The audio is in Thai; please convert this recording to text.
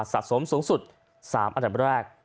สะสมสูงสุด๓อันดับแรก